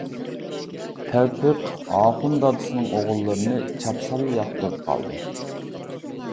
تەۋپىق، ئاخۇن دادىسىنىڭ ئوغۇللىرىنى چاپسانلا ياقتۇرۇپ قالدى.